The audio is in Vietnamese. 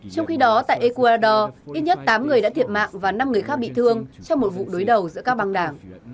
trong khi đó tại ecuador ít nhất tám người đã thiệt mạng và năm người khác bị thương trong một vụ đối đầu giữa các băng đảng